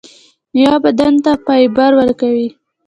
میوه بدن ته فایبر ورکوي